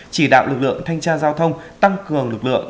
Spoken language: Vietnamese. chỉ đạo lực lượng thanh tra giao thông tăng cường lực lượng